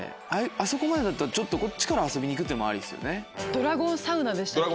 あそこまでだったらこっちから遊びに行くのもありですよね。